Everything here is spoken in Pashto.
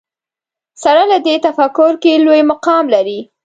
سره له دې تفکر کې لوی مقام لري